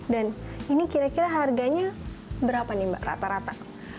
dan ini kira kira harganya berapa nih mbak rata rata